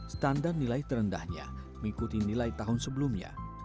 standar nilai terendahnya mengikuti nilai tahun sebelumnya